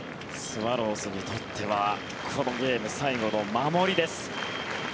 スワローズにとってはこのゲーム最後の守りです。